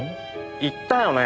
言ったよね？